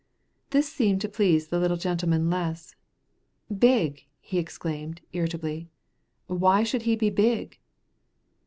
This seemed to please the little gentleman less. "Big!" he exclaimed, irritably; "why should he be big?"